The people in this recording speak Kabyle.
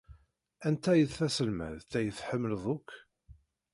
Anta ay d taselmadt ay tḥemmled akk?